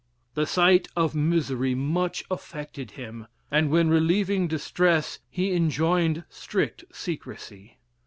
The sight of misery much affected him; and when relieving distress, he enjoined strict secrecy.